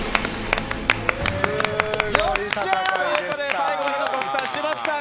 最後まで残った嶋佐さん